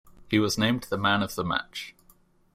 He was named the Man of the Match.